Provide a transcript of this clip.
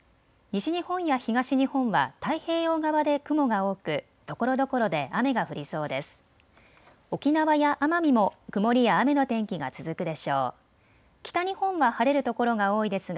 西日本や東日本は太平洋側で雲が多くところどころで雨が降りそうです。